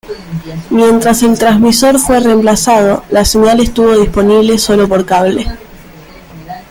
Mientras el transmisor fue reemplazado, la señal estuvo disponible sólo por cable.